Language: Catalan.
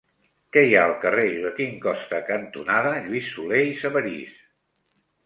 Què hi ha al carrer Joaquín Costa cantonada Lluís Solé i Sabarís?